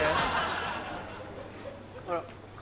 あら。